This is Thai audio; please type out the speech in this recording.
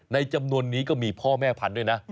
จำนวนนี้ก็มีพ่อแม่พันธุ์ด้วยนะ